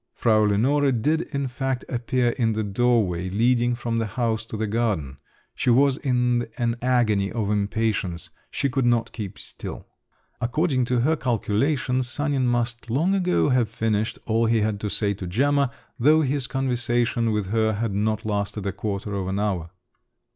Frau Lenore did in fact appear in the doorway leading from the house to the garden. She was in an agony of impatience; she could not keep still. According to her calculations, Sanin must long ago have finished all he had to say to Gemma, though his conversation with her had not lasted a quarter of an hour.